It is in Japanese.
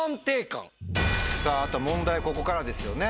さぁ問題はここからですよね